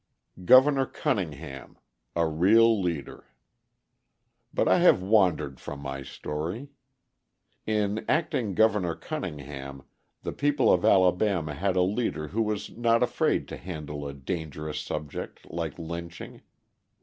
Governor Cunningham A Real Leader But I have wandered from my story. In Acting Governor Cunningham, the people of Alabama had a leader who was not afraid to handle a dangerous subject like lynching.